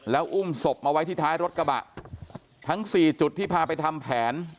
แล้วอุ้มศพมาไว้ที่ท้ายรถกระบะทั้งสี่จุดที่พาไปทำแผน